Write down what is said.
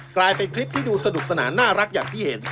กลายเป็นคลิปที่ดูสนุกสนานน่ารักอย่างที่เห็น